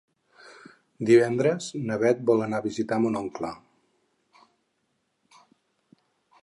Divendres na Bet vol anar a visitar mon oncle.